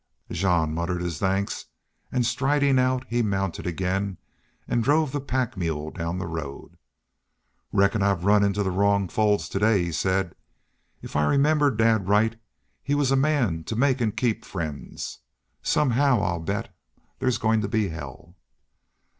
Jean muttered his thanks and, striding out, he mounted again, and drove the pack mule down the road. "Reckon I've ran into the wrong folds to day," he said. "If I remember dad right he was a man to make an' keep friends. Somehow I'll bet there's goin' to be hell."